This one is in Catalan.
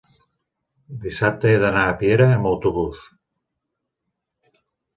dissabte he d'anar a Piera amb autobús.